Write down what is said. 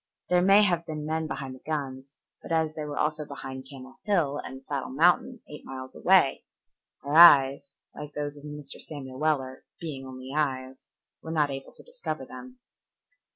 There may have been men behind the guns, but as they were also behind Camel Hill and Saddle Mountain, eight miles away, our eyes, like those of Mr. Samuel Weller, "being only eyes," were not able to discover them.